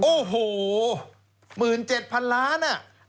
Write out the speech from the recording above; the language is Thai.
โอ้โหหมื่นเจ็ดพันล้าน